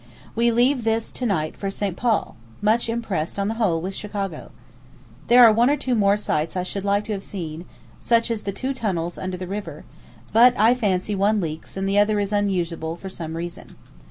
We leave this to night for St. Paul, much impressed on the whole with Chicago. There are one or two more sights I should like to have seen, such as the two tunnels under the river, but I fancy one leaks and the other is unusable for some other reason.